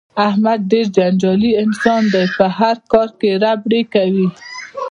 احمد ډېر جنجالي انسان دی په هر کار کې ربړې کوي.